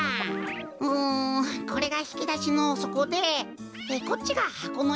うんこれがひきだしのそこでこっちがはこのいたかな。